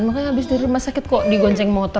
kamu harus dari rumah sakit kok digonceng motor